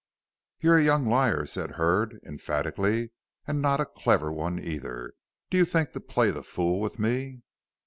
"You're a young liar," said Hurd, emphatically, "and not a clever one either. Do you think to play the fool with me?"